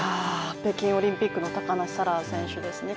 北京オリンピックの高梨沙羅選手ですね。